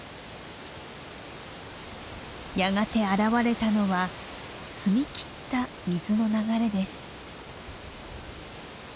やがて現れたのは澄み切った水の流れです。